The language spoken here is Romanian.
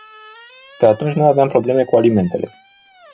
Pe atunci nu aveam probleme cu alimentele.